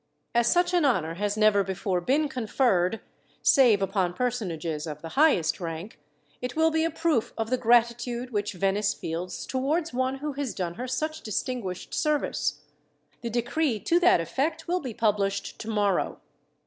As such an honour has never before been conferred, save upon personages of the highest rank, it will be a proof of the gratitude which Venice feels towards one who has done her such distinguished service. The decree to that effect will be published tomorrow."